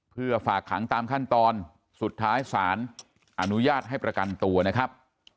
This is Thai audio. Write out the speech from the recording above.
เพื่อฝากขังตามขั้นตอนสุดท้ายศาลอนุญาตให้ประกันตัวนะครับ